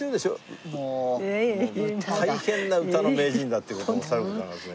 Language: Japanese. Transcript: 大変な歌の名人だっていう事もさる事ながらですね。